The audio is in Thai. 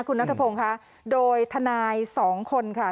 คุณนัทพงศ์ค่ะโดยทนายสองคนค่ะ